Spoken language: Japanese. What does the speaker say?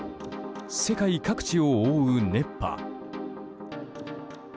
世界各地を覆う熱波。